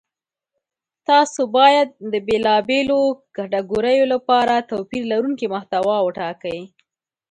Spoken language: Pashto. تاسو باید د بېلابېلو کتګوریو لپاره توپیر لرونکې محتوا وټاکئ.